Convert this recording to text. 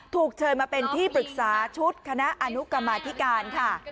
เชิญมาเป็นที่ปรึกษาชุดคณะอนุกรรมาธิการค่ะ